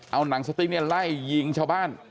เอาหนังสติ๊กเนี่ยไล่ยิงชาวบ้าน